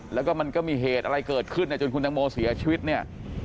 แล้วก็มันก็มีเหตุอะไรเกิดขึ้นเนี่ยจนคุณตังโมเสียชีวิตเนี่ย